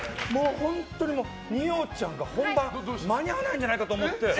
本当に二葉ちゃんが本番間に合わないんじゃないかと思って。